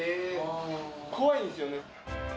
怖いんですよね。